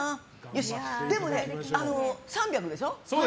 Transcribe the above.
でもね、３００でしょ。